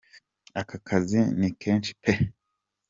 Aka kazi ni kenshi pe!